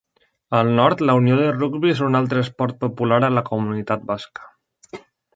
Al nord, la unió de rugbi és un altre esport popular a la comunitat basca.